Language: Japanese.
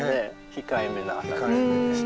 控えめな花です。